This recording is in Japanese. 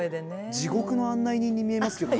地獄の案内人に見えますけどね。